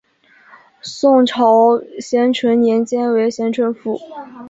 宋朝咸淳年间为咸淳府。